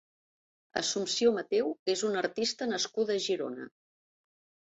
Assumpció Mateu és una artista nascuda a Girona.